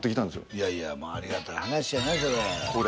いやいやありがたい話やなそれ。